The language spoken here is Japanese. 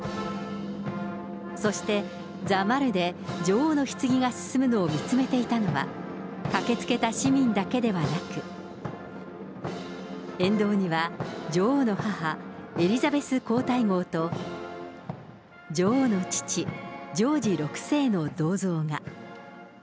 そしてザ・マルで女王のひつぎが進むのを見つめていたのは、駆けつけた市民だけではなく、沿道には、女王の母、エリザベス皇太后と、女王の父、ジョージ６世の銅像が。